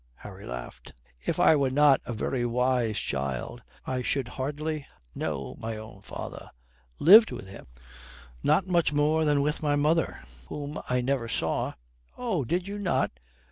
Harry laughed. "If I were not a very wise child I should hardly know my own father. Lived with him? Not much more than with my mother, whom I never saw." "Oh, did you not?"